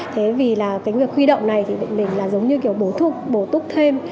thế vì là cái việc huy động này thì định mình là giống như kiểu bố thuốc bổ túc thêm